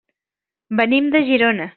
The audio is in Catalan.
Venim de Girona.